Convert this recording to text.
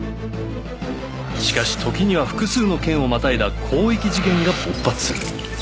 しかし時には複数の県をまたいだ広域事件が勃発する